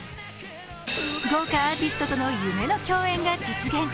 豪華アーティストとの夢の共演が実現。